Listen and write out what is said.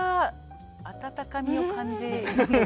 温かみを感じますが。